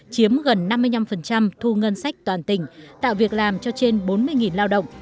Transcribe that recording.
chiếm gần năm mươi năm thu ngân sách toàn tỉnh tạo việc làm cho trên bốn mươi lao động